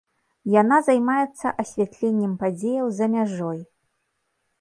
Яна займаецца асвятленнем падзеяў за мяжой.